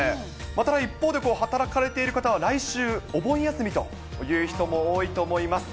また一方で、働かれている方は来週、お盆休みという人も多いと思います。